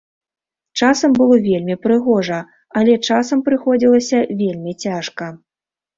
Часам было вельмі прыгожа, але часам прыходзілася вельмі цяжка.